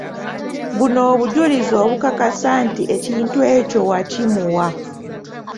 Buno obujulizi bukakasa nti ekintu ekyo wakimuwa.